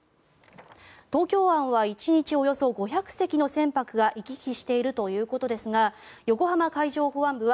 東京湾は１日およそ５００隻の船舶が行き来しているということですが横浜海上保安部は